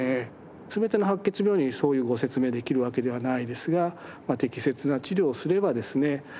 全ての白血病にそういうご説明できるわけではないですが適切な治療をすればですね